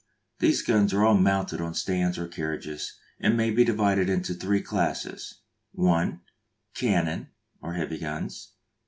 These guns are all mounted on stands or carriages, and may be divided into three classes: (i.) Cannon, or heavy guns.